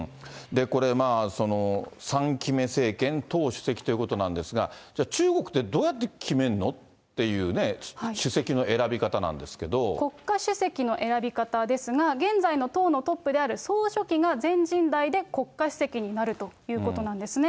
これ、３期目政権、党主席ということなんですが、じゃあ、中国って、どうやって決めんの？っていう、主席の選び方なんですけ国家主席の選び方ですが、現在の党のトップである総書記が全人代で国家主席になるということなんですね。